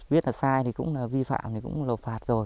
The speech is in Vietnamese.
biết là sai thì cũng là vi phạm thì cũng lột phạt rồi